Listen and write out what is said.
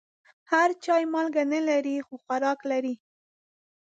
هر چای مالګه نه لري، خو هر خوراک لري.